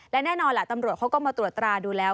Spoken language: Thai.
และแน่นอนล่ะตำรวจเขาก็มาตรวจตราดูแล้ว